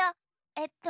えっと。